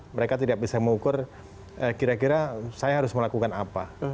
mereka tidak bisa mengukur kira kira saya harus melakukan apa